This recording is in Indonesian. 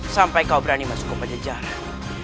sampai kau berani masuk ke pajajaran